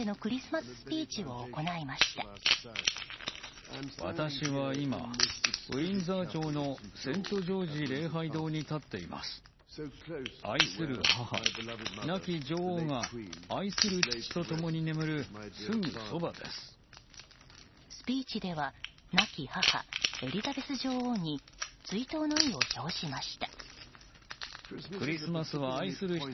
スピーチでは亡き母、エリザベス女王に追悼の意を表しました。